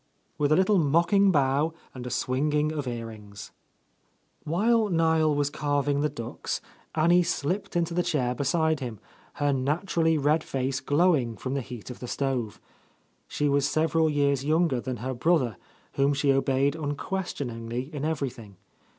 with a little mocking bow and a swinging of earrings. While Niel was carving the ducks, Annie s^lipped into the chair beside him, her naturally A Lost Lady red face glowing from the heat of the stove. She was several years younger than her brother, whom she obeyed unquestioningly in everything.